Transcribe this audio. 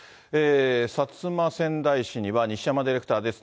薩摩川内市には西山ディレクターです。